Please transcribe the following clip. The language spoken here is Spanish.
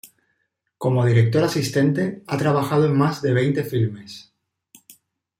Como director asistente ha trabajado en más de veinte filmes.